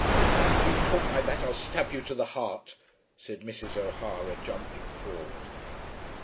"If you talk like that I'll stab you to the heart," said Mrs. O'Hara, jumping forward.